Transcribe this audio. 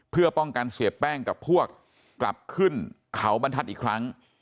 เพื่อป้องกันเสียแป้งกับพวกกลับขึ้นเขาบรรทัศน์อีกครั้ง